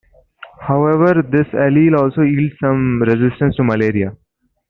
However, this allele also yields some resistance to malaria.